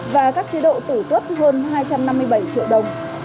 và các chế độ tử cấp hơn hai trăm năm mươi bảy triệu đồng